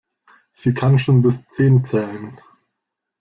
Sie kann schon bis zehn zählen.